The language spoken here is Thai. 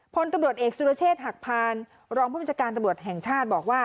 พลตำรวจเอกสุรเชษฐ์หักพานรองผู้บัญชาการตำรวจแห่งชาติบอกว่า